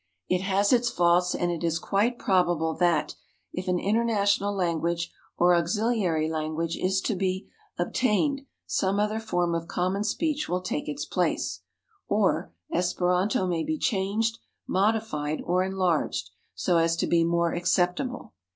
It has its faults, and it is quite probable that, if an international language, or auxiliary language, is to be obtained, some other form of common speech will take its place; or, Esperanto may be changed, modified, or enlarged, so as to be more acceptable.